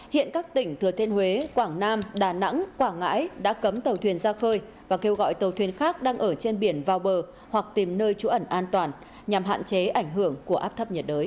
hiện các tỉnh thừa thiên huế quảng nam đà nẵng quảng ngãi đã cấm tàu thuyền ra khơi và kêu gọi tàu thuyền khác đang ở trên biển vào bờ hoặc tìm nơi trú ẩn an toàn nhằm hạn chế ảnh hưởng của áp thấp nhiệt đới